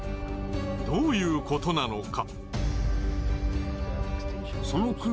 どういうことなのか？